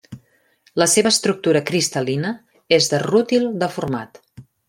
La seva estructura cristal·lina és de rútil deformat.